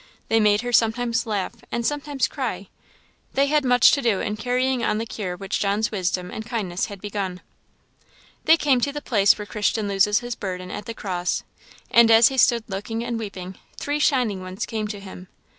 They made her sometimes laugh and sometimes cry; they had much to do in carrying on the cure which John's wisdom and kindness had begun. They came to the place where Christian loses his burden at the cross; and as he stood looking and weeping, three shining ones came to him.